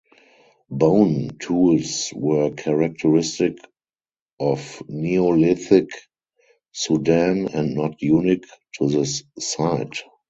Bone tools were characteristic of Neolithic Sudan and not unique to this site.